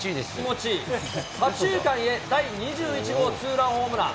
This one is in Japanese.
左中間へ第２１号ツーランホームラン。